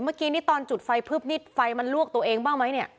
เมื่อกี้นี่ตอนจุดไฟพึบนี่ไฟมันลวกตัวเองบ้างไหมเนี่ย